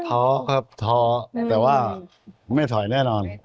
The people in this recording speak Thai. ท้อครับท้อแต่ว่าไม่ถอยแน่นอน